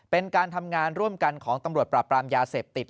เป็นการทำงานร่วมกันของตำรวจปราบปรามยาเสพติด